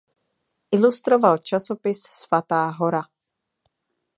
Ilustroval časopis "Svatá Hora".